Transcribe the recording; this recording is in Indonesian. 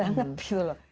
ya terbiasalah ya